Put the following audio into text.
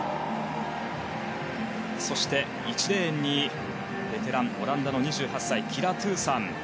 そして、１レーンにベテラン、オランダの２８歳キラ・トゥーサン。